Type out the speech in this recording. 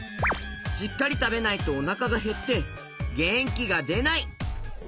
しっかりたべないとおなかがへってげんきがでない！